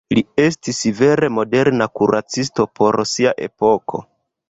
Li estis vere moderna kuracisto por sia epoko.